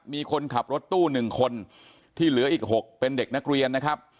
มีคนขับรถตู้๑คนที่เหลืออีก๖เป็นเด็กนักเรียนนะครับ